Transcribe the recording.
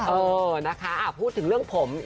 เออนะคะพูดถึงเรื่องผม